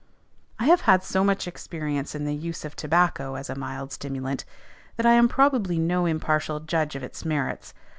I have had so much experience in the use of tobacco as a mild stimulant, that I am probably no impartial judge of its merits.